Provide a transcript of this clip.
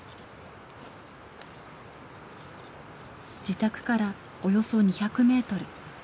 自宅からおよそ２００メートル。